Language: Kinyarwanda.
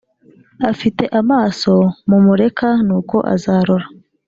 afite amaso mumureka nuko azarora